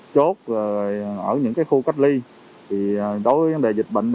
chốt ở những khu cách ly thì đối với vấn đề dịch bệnh